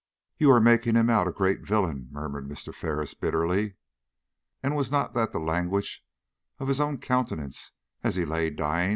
"You are making him out a great villain," murmured Mr. Ferris, bitterly. "And was not that the language of his own countenance as he lay dying?"